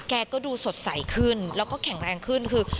แกก็ดูสดใสขึ้นแล้วก็แข็งแรงขึ้นคือ